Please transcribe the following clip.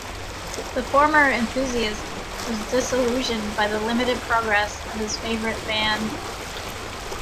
The former enthusiast was disillusioned by the limited progress of his favourite brand.